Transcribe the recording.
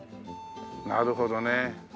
なるほどね。